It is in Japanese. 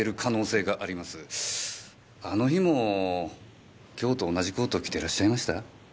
あの日も今日と同じコート着てらっしゃいました？